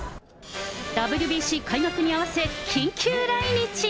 ＷＢＣ開幕に合わせ、緊急来日。